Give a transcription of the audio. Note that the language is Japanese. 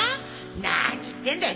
何言ってんだい。